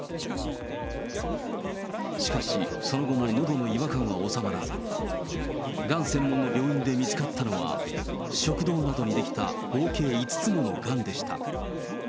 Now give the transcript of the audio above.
しかし、その後ものどの違和感は治まらず、がん専門の病院で見つかったのは、食道などにできた合計５つものがんでした。